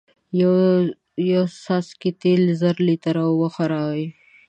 یو څاڅکی تیل زر لیتره اوبه خرابوی